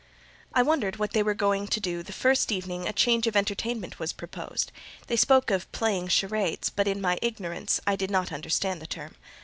I wondered what they were going to do the first evening a change of entertainment was proposed: they spoke of "playing charades," but in my ignorance I did not understand the term.